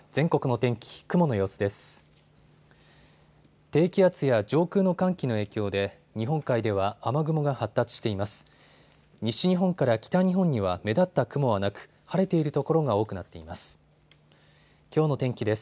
低気圧や上空の寒気の影響で日本海では雨雲が発達しています。